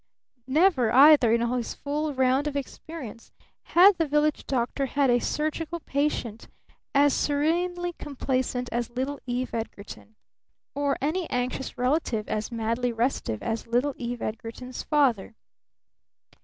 Never, either, in all his full round of experience had the village doctor had a surgical patient as serenely complacent as little Eve Edgarton, or any anxious relative as madly restive as little Eve Edgarton's father.